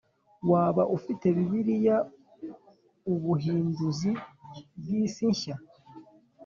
Waba ufite Bibiliya Ubuhinduzi bw’isi nshya